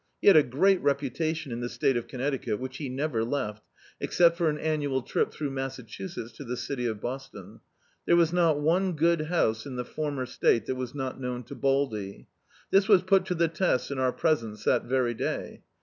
He had a great reputation in the State of Connecticut, which he never left— except for an annual trip through Massachusetts to the city of Boston. There was not one good house in the former State that was not known to Baldy. This was put to the test in our presence, that very day.